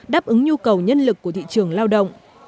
đáp ứng nhu cầu nhân lực của thị trường lao động